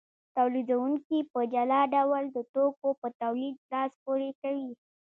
تولیدونکي په جلا ډول د توکو په تولید لاس پورې کوي